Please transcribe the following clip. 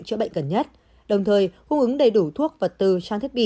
chữa bệnh gần nhất đồng thời cung ứng đầy đủ thuốc vật tư trang thiết bị